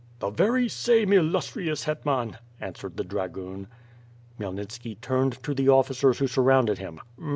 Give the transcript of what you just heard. "The very same illustrious Hetman!" answered the dra goon. Khymelnitski turned to the officers who surounded him.